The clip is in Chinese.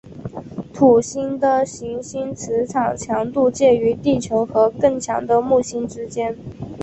土星的行星磁场强度介于地球和更强的木星之间。